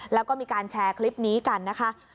แล้วก็มีการแชร์คลิปนี้กันนะคะ